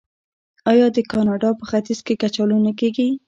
آیا د کاناډا په ختیځ کې کچالو نه کیږي؟